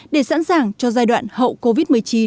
để sẵn sàng cho giai đoạn hậu covid một mươi chín